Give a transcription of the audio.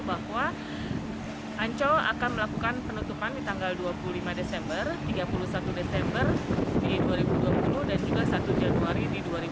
bahwa ancol akan melakukan penutupan di tanggal dua puluh lima desember tiga puluh satu desember di dua ribu dua puluh dan juga satu januari dua ribu dua puluh